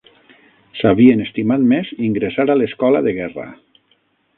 S'havien estimat més ingressar a l'Escola de Guerra